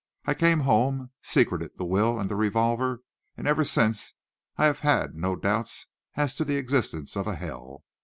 I came home, secreted the will and the revolver, and ever since I have had no doubts as to the existence of a hell.